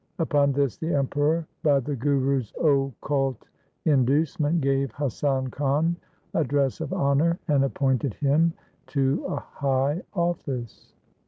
Upon this the Emperor, by the Guru's occult inducement, gave Hasan Khan a dress of honour, and appointed him to a high office.